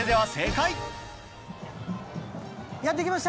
やって来ました！